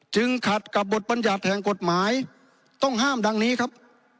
จึงขัดกับบทปัญญาแทนกฎหมายต้องห้ามดังนี้ครับ